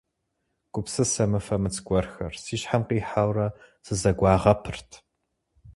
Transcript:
Гупсысэ мыфэмыц гуэрхэр си щхьэм къихьэурэ сызэгуагъэпырт.